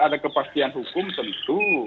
ada kepastian hukum tentu